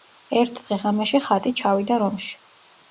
ერთ დღე–ღამეში ხატი ჩავიდა რომში.